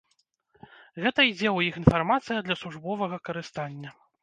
Гэта ідзе ў іх інфармацыя для службовага карыстання.